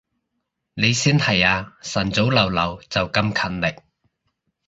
你先係啊，晨早流流就咁勤力